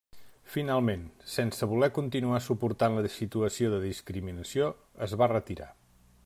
Finalment, sense voler continuar suportant la situació de discriminació, es va retirar.